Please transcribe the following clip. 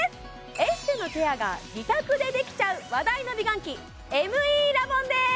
エステのケアが自宅でできちゃう話題の美顔器ＭＥラボンです！